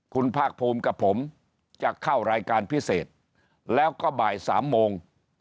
คุณภาคภูมิกับผมจะเข้ารายการพิเศษแล้วก็บ่ายสามโมง